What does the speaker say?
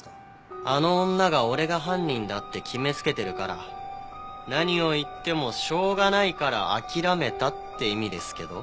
あの女が俺が犯人だって決めつけてるから何を言ってもしょうがないから諦めたって意味ですけど。